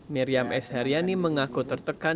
miriam s haryani mengaku tertekan